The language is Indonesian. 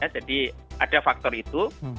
jadi ada faktor itu